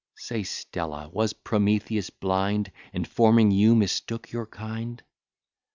Say, Stella, was Prometheus blind, And, forming you, mistook your kind?